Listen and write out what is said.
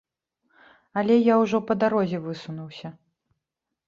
Але я ўжо па дарозе высунуўся.